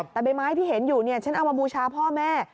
แต่ใบไม้ที่เห็นอยู่เนี่ยฉันเอามาบูชาพ่อแม่